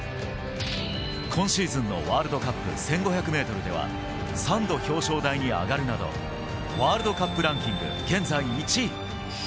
今シーズンのワールドカップ１５００ｍでは、３度表彰台に上がるなど、ワールドカップランキング現在１位。